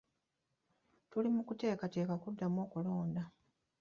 Tuli mu kuteekateeka kuddamu kulonda.